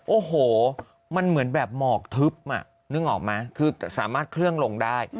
โอ้โหมันเหมือนแบบหมอกทึบนึกออกไหมคือสามารถเครื่องลงได้